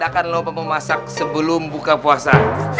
gimana kalau kita adakan lupa memasak sebelum buka puasa